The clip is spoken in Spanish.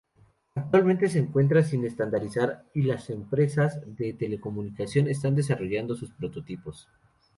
Actualmente se encuentra sin estandarizar y las empresas de telecomunicación están desarrollando sus prototipos.